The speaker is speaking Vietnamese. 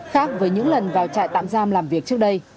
khác với những lần vào trại tạm giam làm việc trước đây